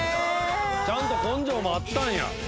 ちゃんと「根性」もあったんや。